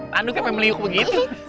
tandu kayak meliuk begitu